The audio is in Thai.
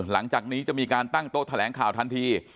หลังจากนี้จะมีการตั้งโต๊ะแถลงข่าวทันที